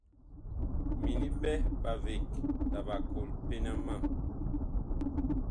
Mini ɓɛ ɓaveg la ɓakol pena mam.